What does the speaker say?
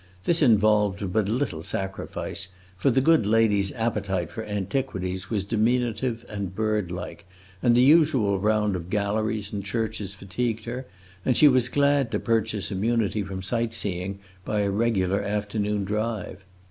This involved but little sacrifice, for the good lady's appetite for antiquities was diminutive and bird like, the usual round of galleries and churches fatigued her, and she was glad to purchase immunity from sight seeing by a regular afternoon drive.